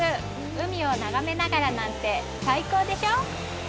海を眺めながらなんて最高でしょ。